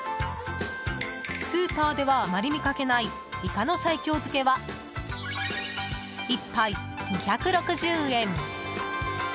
スーパーではあまり見かけないイカの西京漬けは１杯２６０円。